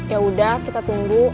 yaudah kita tunggu